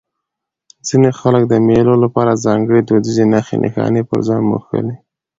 ځيني خلک د مېلو له پاره ځانګړي دودیزې نخښي نښانې پر ځان موښلوي.